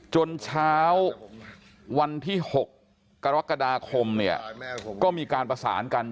จนเช้าวันที่๖กรกฎาคมเนี่ยก็มีการประสานกัน